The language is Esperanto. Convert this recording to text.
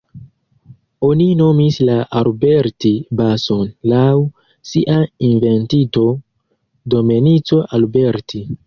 Oni nomis la Alberti-bason laŭ sia inventinto Domenico Alberti.